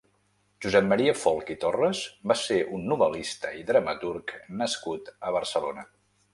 Josep Maria Folch i Torres va ser un novel·lista i dramaturg nascut a Barcelona.